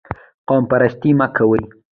قوم پرستي مه کوئ